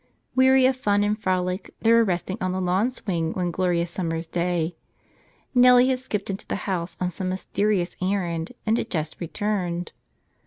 Weary of fun and frolic they were resting on the lawn swing one glorious summer's day. Nellie had skipped into the house on some mys¬ terious errand and had just returned.